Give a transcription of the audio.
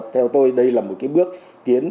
theo tôi đây là một bước tiến